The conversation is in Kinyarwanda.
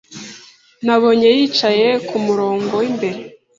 Nabonye yicaye ku murongo w'imbere.